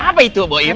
apa itu boim